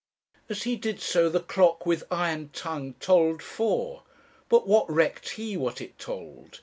As he did so the clock, with iron tongue, tolled four. But what recked he what it tolled?